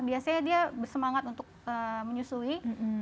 biasanya dia bersemangat untuk menyusui